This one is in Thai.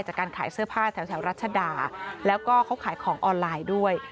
จากการขายเสื้อผ้าแถวรัชดาแล้วก็เขาขายของออนไลน์ด้วย